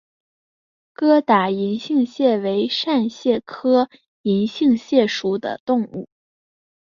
疙瘩银杏蟹为扇蟹科银杏蟹属的动物。